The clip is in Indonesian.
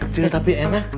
cerita tapi enak